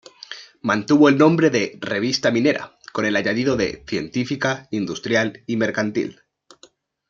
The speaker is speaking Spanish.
Mantuvo el nombre de "Revista Minera," con el añadido de "científica, industrial y mercantil"..